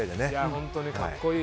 本当に格好いい。